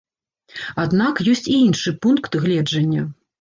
Аднак ёсць і іншы пункт гледжання.